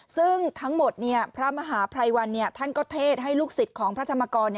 ซึ่งทั้งหมดพระมหาภัยวันท่านก็เทศให้ลูกศิษย์ของพระธรรมกร